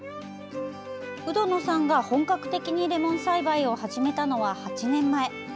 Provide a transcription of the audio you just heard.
鵜殿さんが本格的にレモン栽培を始めたのは、８年前。